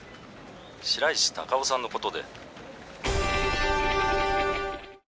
白石孝夫さんのことで。